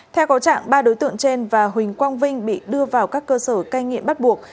theo có trạng ba đối tượng trên và huỳnh quang vinh bị đưa vào các cơ sở cai nghiện bắt buộc